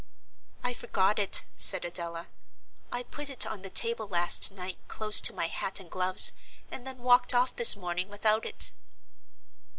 "I forgot it," said Adela. "I put it on the table last night close to my hat and gloves, and then walked off this morning without it."